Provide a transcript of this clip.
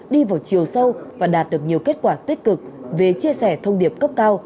đi vào chiều sâu và đạt được nhiều kết quả tích cực về chia sẻ thông điệp cấp cao